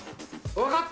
分かった。